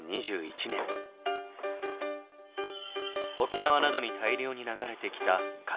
沖縄などに大量に流れてきた軽石。